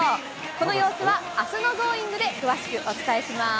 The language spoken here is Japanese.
この様子はあすのＧｏｉｎｇ！で詳しくお伝えします。